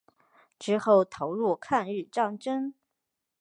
之后投入抗日战争。